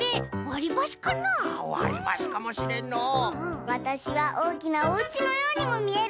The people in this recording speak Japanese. わたしはおおきなおうちのようにもみえる！